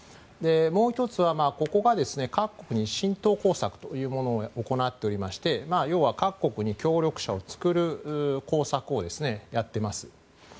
もう１つは、ここが各国に浸透工作というものを行っておりまして要は各国に協力者を作る工作をやっています。